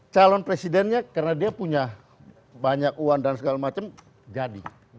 calon presidennya karena dia punya banyak uang dan segala macam jadi